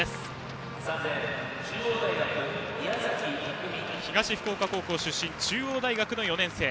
匠は、東福岡高校出身中央大学の４年生。